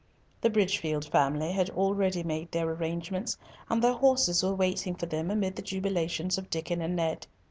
The Bridgefield family had already made their arrangements, and their horses were waiting for them amid the jubilations of Diccon and Ned.